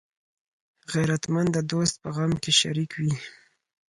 غیرتمند د دوست په غم کې شریک وي